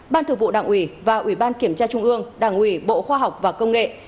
ban thường vụ đảng ủy và ủy ban kiểm tra trung ương đảng ủy bộ khoa học và công nghệ